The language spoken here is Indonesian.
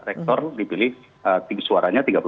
rektor dipilih suaranya tiga puluh